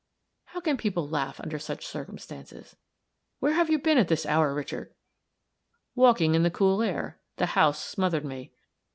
How can people laugh under such circumstances? "Where have you been at this hour, Richard?" "Walking in the cool air. The house smothered me."